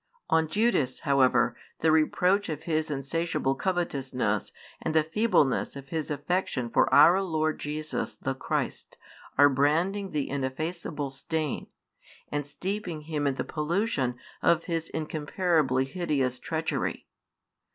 On Judas, however, the reproach of his insatiable covetousness and the feebleness of his affection for our Lord Jesus the Christ are branding the ineffaceable stain, and steeping him in the pollution, of his incomparably hideous treachery.